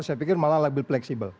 saya pikir malah lebih fleksibel